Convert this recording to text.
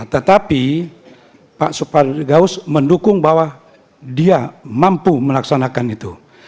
tetapi pak supar gaus mendukung bahwa dia mampu melaksanakan itu